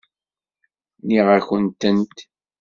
Nɣiɣ-akent-tent.